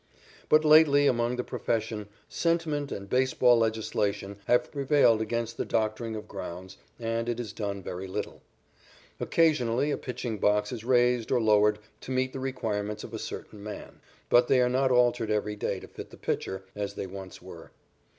But lately among the profession, sentiment and baseball legislation have prevailed against the doctoring of grounds, and it is done very little. Occasionally a pitching box is raised or lowered to meet the requirements of a certain man, but they are not altered every day to fit the pitcher, as they once were.